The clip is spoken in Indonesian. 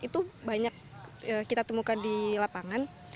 itu banyak kita temukan di lapangan